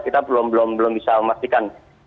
kita belum bisa memastikan